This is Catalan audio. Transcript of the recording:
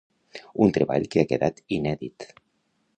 Un treball que ha quedat inèdit